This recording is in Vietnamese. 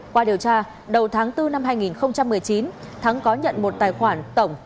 qua điều tra đầu tháng bốn năm hai nghìn một mươi chín thắng có nhận một tài khoản tổng